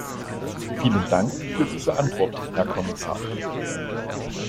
Vielen Dank für diese Antwort, Herr Kommissar!